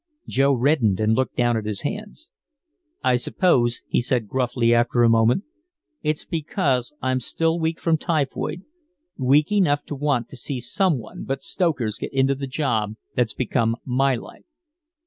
Joe reddened and looked down at his hands. "I suppose," he said gruffly after a moment, "it's because I'm still weak from typhoid weak enough to want to see some one but stokers get into the job that's become my life.